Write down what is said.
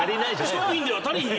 １瓶では足りひん。